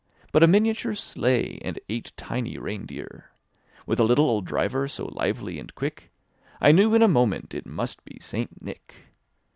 But a miniature sleigh, and eight tiny reindeer. With a little old driver, so lively and quick, I knew io a moment it must be St. Nick.